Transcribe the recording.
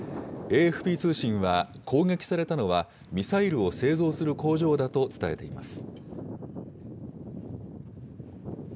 ＡＦＰ通信は攻撃されたのは、ミサイルを製造する工場だと伝えています。